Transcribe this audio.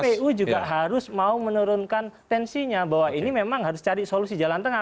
jadi kpu juga harus mau menurunkan tensinya bahwa ini memang harus cari solusi jalan tengah